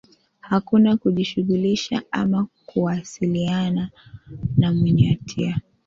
Hakuna kujishughulisha ama kuwasiliana na mwenye hatia